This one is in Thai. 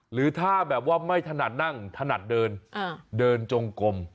หรือถ้าแบบว่าไม่ถนัดนั่งถนัดเดินเดินจงกลม